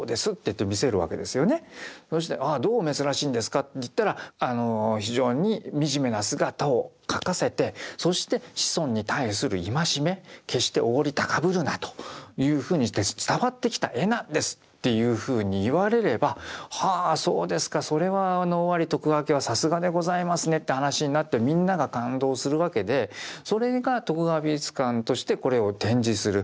そしてああどう珍しいんですかって言ったら非常に惨めな姿を描かせてそして子孫に対する戒め決しておごり高ぶるなというふうにして伝わってきた絵なんですっていうふうに言われればはあそうですかそれは尾張徳川家はさすがでございますねって話になってみんなが感動するわけでそれが徳川美術館としてこれを展示する。